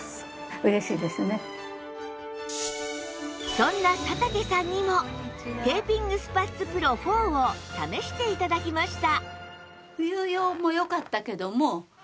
そんな佐竹さんにもテーピングスパッツ ＰＲＯⅣ を試して頂きました